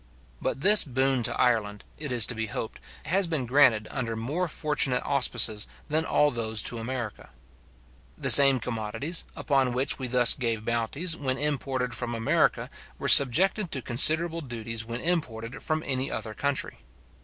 But this boon to Ireland, it is to be hoped, has been granted under more fortunate auspices than all those to America. The same commodities, upon which we thus gave bounties, when imported from America, were subjected to considerable duties when imported from any other country.